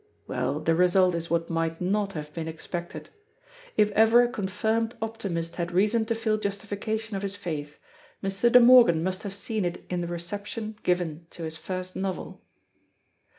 Well, the result is what might not have been expected. If ever a confirmed optimist had reason to feel justification of his faith, Mr. De Morgan must have seen it in the reception given to his first novel.